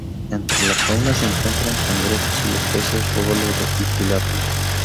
Entre la fauna se encuentran cangrejos y los peces róbalo y tilapia.